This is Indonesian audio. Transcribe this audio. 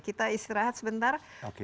kita istirahat sebentar